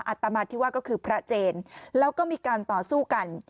อตมาที่ว่าก็คือพระเจนแล้วก็มีการต่อสู้กัน